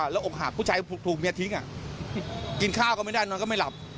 แล้วอกหักผู้ชายถูกเมียทิ้งกินข้าวก็ไม่ได้นอนก็ไม่หลับ